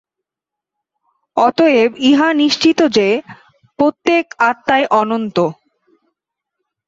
অতএব ইহা নিশ্চিত যে, প্রত্যেক আত্মাই অনন্ত।